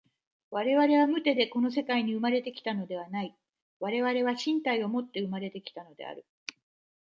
我々は無手でこの世界に生まれて来たのではない、我々は身体をもって生まれて来たのである。